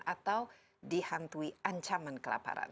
atau dihantui ancaman kelaparan